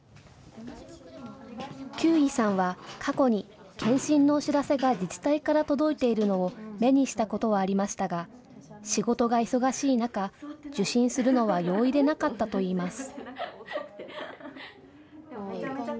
休井さんは過去に検診のお知らせが自治体から届いているのを目にしたことはありましたが仕事が忙しい中、受診するのは容易でなかったといいます。